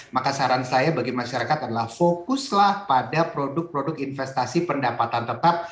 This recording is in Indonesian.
maka saran saya bagi masyarakat adalah fokuslah pada produk produk investasi pendapatan tetap